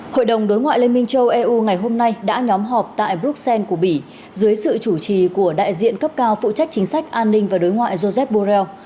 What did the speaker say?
hội đồng đối ngoại liên minh châu eu ngày hôm nay đã nhóm họp tại bruxelles của bỉ dưới sự chủ trì của đại diện cấp cao phụ trách chính sách an ninh và đối ngoại joseph borrell